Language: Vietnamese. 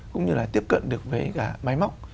cũng như là tiếp cận được với cả máy móc